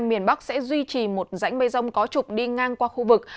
miền bắc sẽ duy trì một rãnh mây rông có trục đi ngang qua khu vực